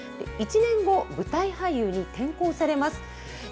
１年後、舞台俳優に転向されます。